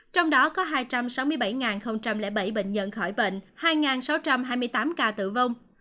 trong đó có hai trăm sáu mươi bảy bảy bệnh nhân khỏi bệnh hai sáu trăm hai mươi tám ca tử vong